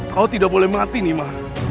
kau tidak boleh mati nima